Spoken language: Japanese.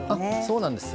そうなんです。